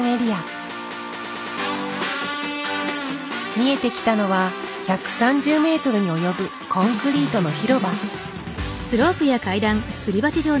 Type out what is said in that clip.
見えてきたのは１３０メートルに及ぶコンクリートの広場。